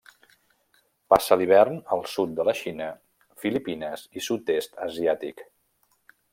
Passa l'hivern al sud de la Xina, Filipines i Sud-est asiàtic.